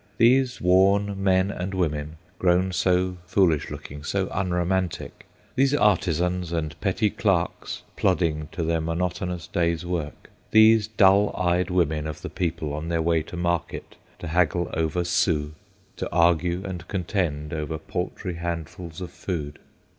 These worn men and women, grown so foolish looking, so unromantic; these artisans and petty clerks plodding to their monotonous day's work; these dull eyed women of the people on their way to market to haggle over sous, to argue and contend over paltry handfuls of food.